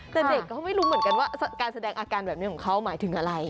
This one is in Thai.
แต่เด็กก็ไม่รู้เหมือนกันว่าการแสดงอาการแบบนี้ของเขาหมายถึงอะไร